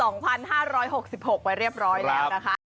๒๕๖๖มาเรียบร้อยแล้วนะคะ